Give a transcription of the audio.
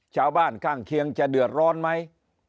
ชาวบ้านข้างเคียงจะเดือดร้อนไหม